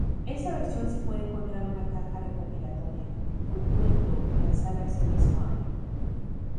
Esa versión se puede encontrar una caja recopilatoria "Culture Club" lanzada ese mismo año.